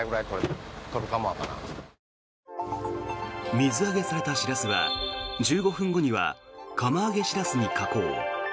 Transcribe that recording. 水揚げされたシラスは１５分後には釜揚げシラスに加工。